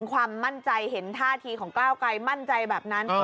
ความมั่นใจเห็นท่าทีของก้าวไกลมั่นใจแบบนั้น